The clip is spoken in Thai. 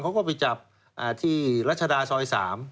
เขาก็ไปจับที่รัชดาซอย๓